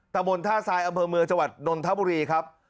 ตะบนท่าทรายอำเภอเมืองจังหวัดนนทบุรีครับ